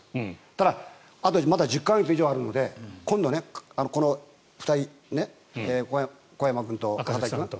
ただ、まだ１０か月以上あるので今度、２人小山君と赤崎さん